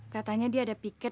katanya dia ada piket